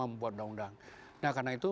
membuat undang undang nah karena itu